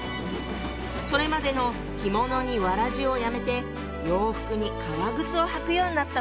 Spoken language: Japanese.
それまでの着物に草鞋をやめて洋服に革靴を履くようになったのよ。